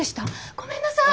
ごめんなさい！